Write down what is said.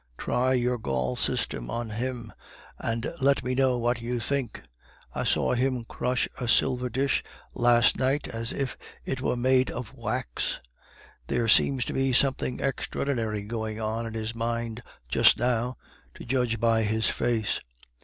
Try your Gall system on him, and let me know what you think. I saw him crush a silver dish last night as if it had been made of wax; there seems to be something extraordinary going on in his mind just now, to judge by his face.